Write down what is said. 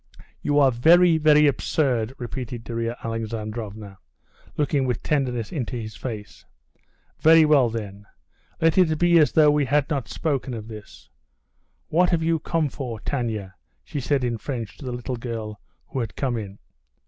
"You are very, very absurd," repeated Darya Alexandrovna, looking with tenderness into his face. "Very well then, let it be as though we had not spoken of this. What have you come for, Tanya?" she said in French to the little girl who had come in.